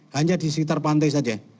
hanya di sekitar pantai saja